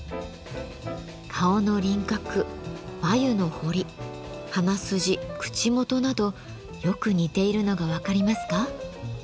顔の輪郭眉の彫り鼻筋口元などよく似ているのが分かりますか？